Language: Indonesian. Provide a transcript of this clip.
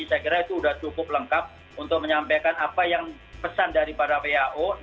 saya kira itu sudah cukup lengkap untuk menyampaikan apa yang pesan dari para who